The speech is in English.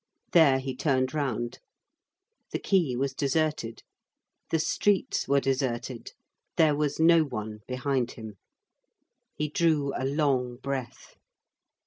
There he turned round. The quay was deserted. The streets were deserted. There was no one behind him. He drew a long breath.